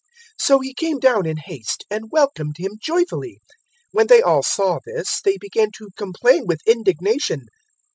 019:006 So he came down in haste, and welcomed Him joyfully. 019:007 When they all saw this, they began to complain with indignation.